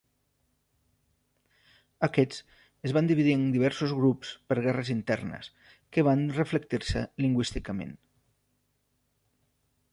Aquests es van dividir en diversos grups per guerres internes, que van reflectir-se lingüísticament.